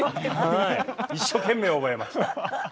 一生懸命、覚えました。